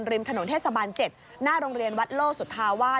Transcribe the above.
ริมถนนเทศบาล๗หน้าโรงเรียนวัดโลสุธาวาส